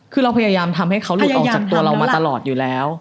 คือเราพยายามทำให้เขาหลุดออกจากตัวเรามาตลอดอยู่แล้ว